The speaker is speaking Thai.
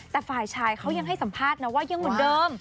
แต่ฝ่ายชายเขายังให้สัมภาษณ์นะว่ายังเหมือนเดิม